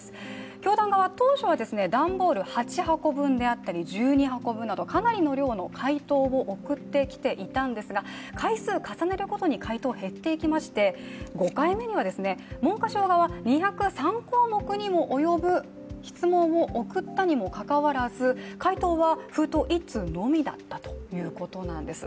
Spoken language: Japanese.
教団側、当初は段ボール８箱分であったり１２箱分などかなりの量の回答を送ってきていたんですが回数重ねるごとに回答が減っていきまして、５回目には、文科省側２０３項目にも及ぶ質問を送ったにもかかわらず回答は封筒１通のみだったということなんです。